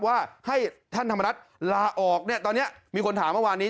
ว่าให้ท่านธรรมนัฐลาออกเนี่ยตอนนี้มีคนถามเมื่อวานนี้